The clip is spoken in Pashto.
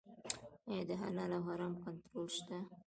آیا د حلال او حرام کنټرول شته؟